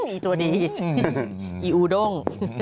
มีตัวดีอีอูด้ง